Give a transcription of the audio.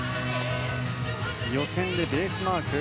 予選でベースマーク。